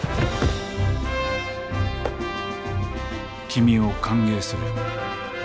君を歓迎する。